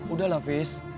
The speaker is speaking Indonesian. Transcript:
udah lah fis